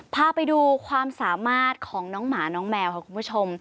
พาไปดูความสามารถของน้องหมาน้องแมวค่ะคุณผู้ชม